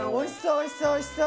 おいしそうおいしそう。